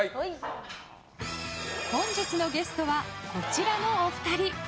本日のゲストはこちらのお二人。